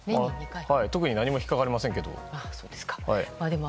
特に何も引っかかりませんけども。